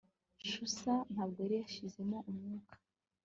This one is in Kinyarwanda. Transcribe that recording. Chaucer ntabwo yari yashizemo umwuka